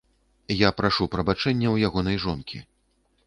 Я прашу прабачэння ў ягонай жонкі.